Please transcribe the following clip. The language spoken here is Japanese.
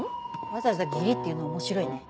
わざわざ「義理」って言うの面白いね。